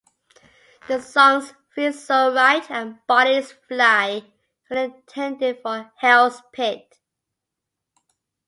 The songs "Feels So Right" and "Bodies Fly" were intended for "Hell's Pit".